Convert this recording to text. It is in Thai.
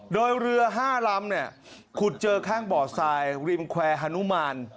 โดยเรือ๕ลำเนี่ยขุดเจอข้างบ่อทรายริมแควร์ฮานุมาน